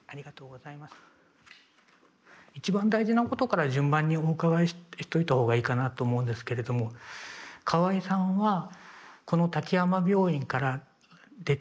一番大事なことから順番にお伺いしといた方がいいかなと思うんですけれども河合さんはこの滝山病院から出たいというご意思はおありですか？